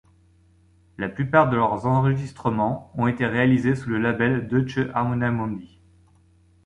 La plupart de leurs enregistrements ont été réalisés sous le label Deutsche Harmonia Mundi.